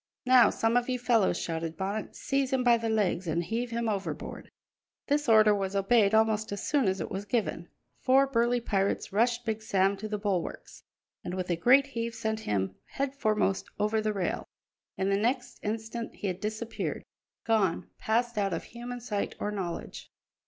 "Now some of you fellows," shouted Bonnet, "seize him by the legs and heave him overboard!" This order was obeyed almost as soon as it was given; four burly pirates rushed Big Sam to the bulwarks, and with a great heave sent him headforemost over the rail. In the next instant he had disappeared gone, passed out of human sight or knowledge.